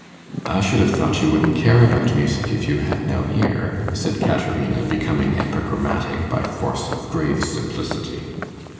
'I should have thought you wouldn't care about music if you had no ear,' said Caterina, becoming epigrammatic by force of grave simplicity.